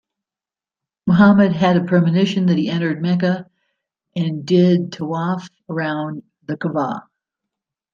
Muhammad had a premonition that he entered Mecca and did tawaf around the Ka'bah.